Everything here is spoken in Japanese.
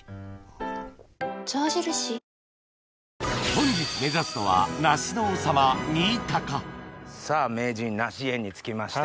本日目指すのはさぁ名人梨園に着きまして。